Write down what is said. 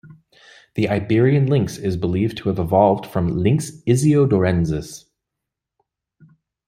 The Iberian lynx is believed to have evolved from "Lynx issiodorensis".